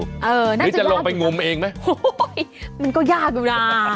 เออน่าจะลองดูนะหรือจะลงไปงุมเองไหมโอ้ยมันก็ยากดูนะ